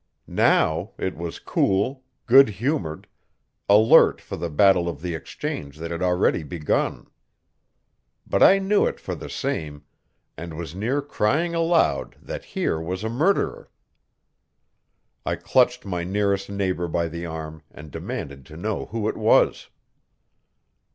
Now it was cool, good humored, alert for the battle of the Exchange that had already begun. But I knew it for the same, and was near crying aloud that here was a murderer. I clutched my nearest neighbor by the arm, and demanded to know who it was.